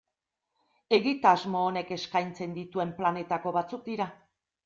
Egitasmo honek eskaintzen dituen planetako batzuk dira.